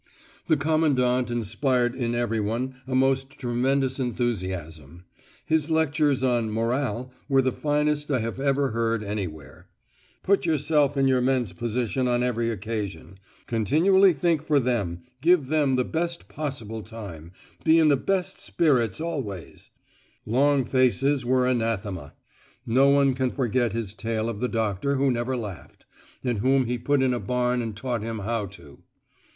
The Commandant inspired in everyone a most tremendous enthusiasm. His lectures on "Morale" were the finest I have ever heard anywhere. "Put yourself in your men's position on every occasion; continually think for them, give them the best possible time, be in the best spirits always;" "long faces" were anathema! No one can forget his tale of the doctor who never laughed, and whom he put in a barn and taught him how to!